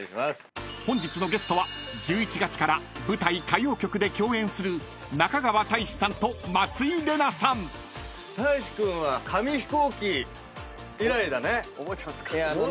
［本日のゲストは１１月から舞台『歌妖曲』で共演する中川大志さんと松井玲奈さん］覚えてますか？